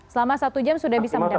selama satu jam sudah bisa mendapatkan